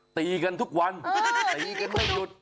ตีกันทุกวันตีกันไม่หยุด